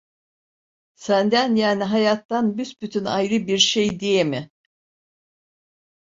Senden, yani hayattan büsbütün ayrı bir şey diye mi?